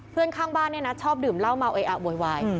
ข้างบ้านเนี่ยนะชอบดื่มเหล้าเมาเออะโวยวาย